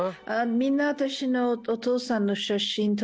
みんな私のお父さんの写真と。